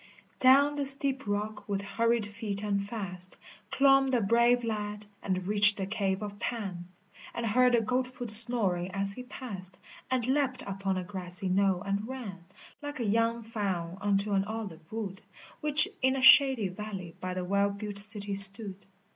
Down the steep rock with hurried feet and fast Clomb the brave lad, and reached the cave of Pan, And heard the goat foot snoring as he passed, And leapt upon a grassy knoll and ran Like a young fawn unto an olive wood Which in a shady valley by the well built city stood.